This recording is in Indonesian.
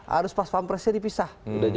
harus pas pap presiden dipisah